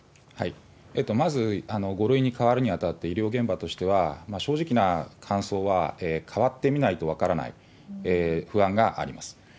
まず、５類に変わるにあたって、医療現場としては、正直な感想は、変わってみないと分からない、不安があります。